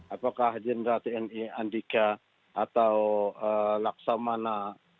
apakah jenderal tni andika atau laksamana